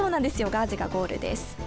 ガーゼがゴールです。